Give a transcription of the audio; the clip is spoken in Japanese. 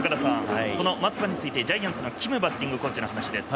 松葉についてジャイアンツの金バッティングコーチの話です。